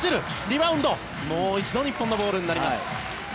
リバウンド、もう一度日本のボールになります。